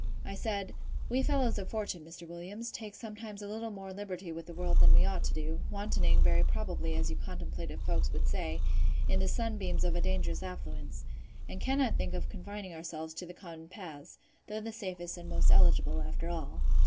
I said, We fellows of fortune, Mr. Williams, take sometimes a little more liberty with the world than we ought to do; wantoning, very probably, as you contemplative folks would say, in the sunbeams of a dangerous affluence; and cannot think of confining ourselves to the common paths, though the safest and most eligible, after all.